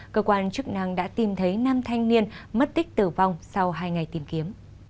cơ quan chức năng đã tìm thấy năm thanh niên mất tích tử vong sau hai ngày tìm kiếm